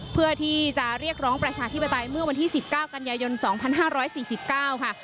เพื่อที่จะเรียกร้องประชาธิปไตยเมื่อวันที่๑๙กันยายน๒๕๔๙ค่ะ